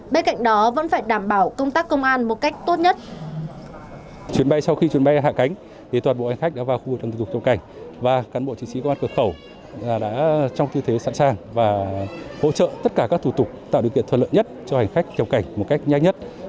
bên cạnh đó vẫn phải đảm bảo công tác công an một cách tốt nhất